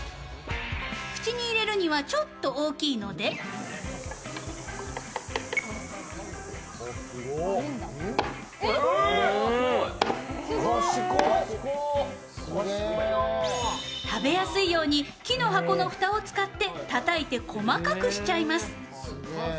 口に入れるのはちょっと大きいので食べやすいように木の箱の蓋を使ってたたいて細かくしちゃいます。